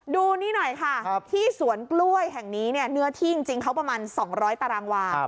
ดูนี่หน่อยค่ะที่สวนกล้วยแห่งนี้เนี่ยเนื้อที่จริงเขาประมาณ๒๐๐ตารางวา